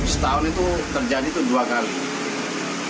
setahun itu terjadi itu dua kali